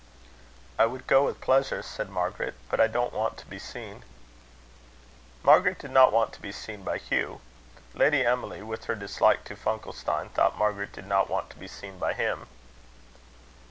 "I would go with pleasure," said Margaret; "but I don't want to be seen." Margaret did not want to be seen by Hugh. Lady Emily, with her dislike to Funkelstein, thought Margaret did not want to be seen by him.